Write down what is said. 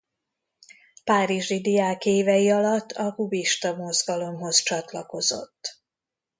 Párizsi diákévei alatt a kubista mozgalomhoz csatlakozott.